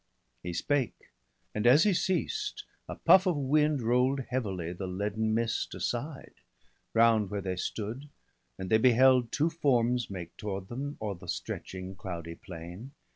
He spake ; and, as he ceased, a puff of wind RoU'd heavily the leaden mist aside 1 84 BALDER DEAD. Round where they stood, and they beheld two forms Make toward them o'er the stretching cloudy plain.